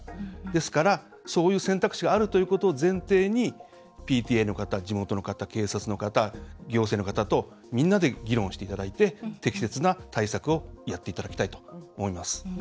ですから、そういう選択肢があるということを前提にＰＴＡの方、地元の方、警察の方行政の方と、みんなで議論していただいて適切な対策をやっていただきたいと思います。